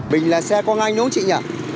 bình là xe quang anh đúng không chị nhỉ